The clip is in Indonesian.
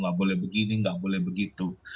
nggak boleh begini nggak boleh begitu